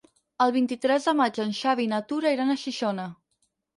El vint-i-tres de maig en Xavi i na Tura iran a Xixona.